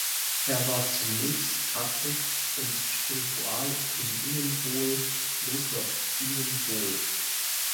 Er war zunächst Katechet und Spiritual in Ingenbohl (Kloster Ingenbohl).